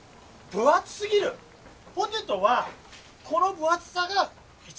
分厚すぎる⁉ポテトはこの分厚さが一番おいしいんだろうが！